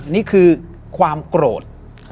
นี่คือความโกรธ